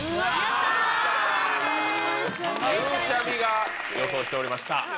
ゆうちゃみが予想しておりました。